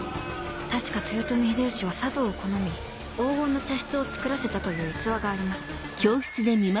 確か豊臣秀吉は茶道を好み黄金の茶室を作らせたという逸話があります